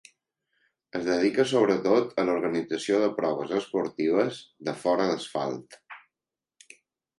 Es dedica sobretot a l'organització de proves esportives de fora d'asfalt.